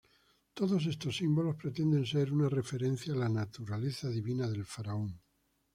Todos estos símbolos pretenden ser una referencia a la naturaleza divina del faraón.